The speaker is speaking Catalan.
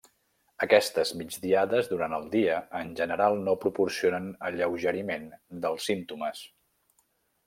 Aquestes migdiades durant el dia en general no proporcionen alleugeriment dels símptomes.